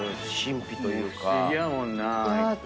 不思議やもんなあいつ。